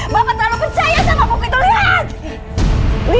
bapak terlalu percaya sama bukitulian